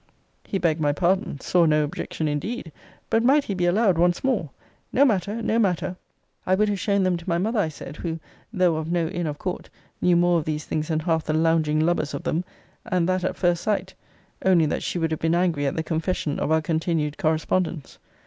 He begged my pardon Saw no objection, indeed! But might he be allowed once more No matter no matter I would have shown them to my mother, I said, who, though of no inn of court, knew more of these things than half the lounging lubbers of them; and that at first sight only that she would have been angry at the confession of our continued correspondence.